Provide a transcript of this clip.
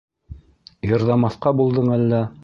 Йырҙамаҫҡа булдың әллә?